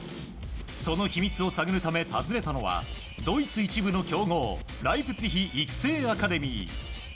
その秘密を探るため訪ねたのはドイツ１部の強豪ライプツィヒアカデミー。